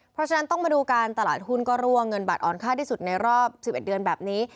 เพราะฉะนั้นต้องมาดูการตลาดหุ้นก็รั่วเงินบัตรอ่อนค่าที่สุดในรอบ๑๑เดือนแบบนี้